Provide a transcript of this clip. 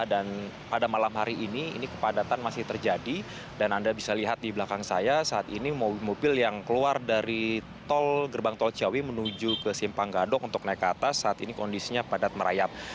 dan pada malam hari ini ini kepadatan masih terjadi dan anda bisa lihat di belakang saya saat ini mobil mobil yang keluar dari gerbang tol ciawi menuju ke simpang gadok untuk naik ke atas saat ini kondisinya padat merayap